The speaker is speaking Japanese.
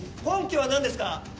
根拠は何ですか？